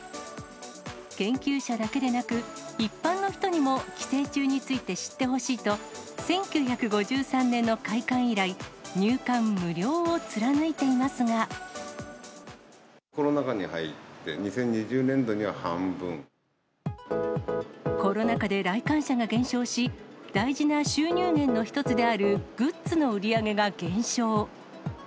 研究者だけでなく、一般の人にも寄生虫について知ってほしいと、１９５３年の開館以来、コロナ禍に入って、２０２０コロナ禍で来館者が減少し、大事な収入源の一つであるグッズの売り上げが減少。